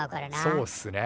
そうっすね。